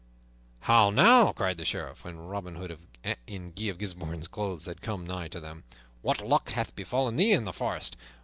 "How now!" cried the Sheriff, when Robin Hood, in Guy of Gisbourne's clothes, had come nigh to them. "What luck hath befallen thee in the forest?